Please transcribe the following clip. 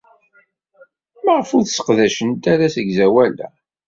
Maɣef ur sseqdacent ara asegzawal-a?